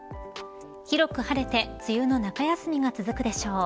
広く晴れて梅雨の中休みが続くでしょう。